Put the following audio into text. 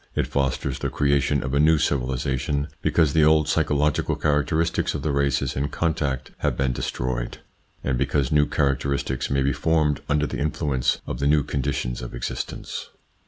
It fosters the creation of a new civilisation because the old psychological characteristics of the races in contact have been destroyed, and because new characteristics may be formed under the influence of the new conditions of existence.